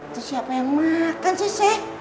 terus siapa yang makan sih check